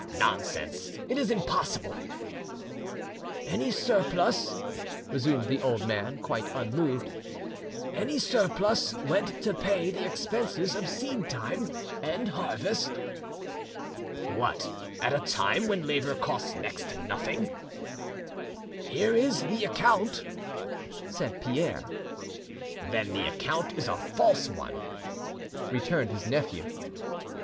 Nonsense! it is impossible." "Any surplus," resumed the old man, quite unmoved,—"any surplus went to pay the expenses of seed time and harvest." "What! at a time when labour costs next to nothing?" "Here is the account," said Pierre. "Then the account is a false one," returned his nephew.